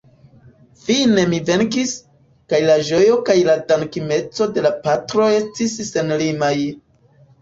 Fine mi venkis, kaj la ĝojo kaj la dankemeco de la patro estis senlimaj.